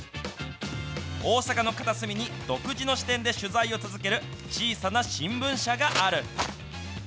大阪の片隅に、独自の視点で取材を続ける小さな新聞社がある。